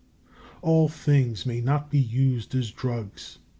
All things may not be used as drugs.